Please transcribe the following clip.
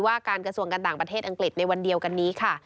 ว่าการกระทรวงการต่างประเทศอังกฤษในวันเดียวกันนี้ค่ะ